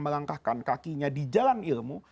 melangkahkan kakinya di jalan ilmu